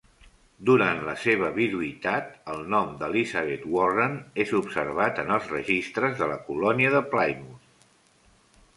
Durant la seva viduïtat, el nom d'Elizabeth Warren és observat en els registres de la Colònia de Plymouth.